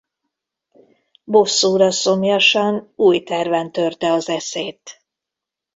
Bosszúra szomjasan új terven törte az eszét.